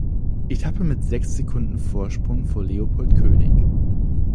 Etappe mit sechs Sekunden Vorsprung vor Leopold König.